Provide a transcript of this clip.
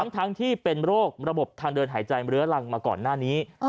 ทั้งที่เป็นโรคระบบทางเดินหายใจเรื้อรังมาก่อนหน้านี้